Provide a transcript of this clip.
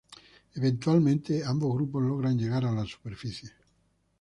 Eventualmente ambos grupos logran llegar a la superficie.